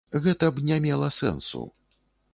Гэта б не мела сэнсу.